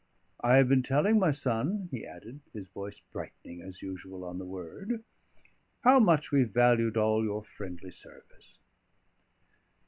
I have been telling my son," he added, his voice brightening as usual on the word, "how much we valued all your friendly service."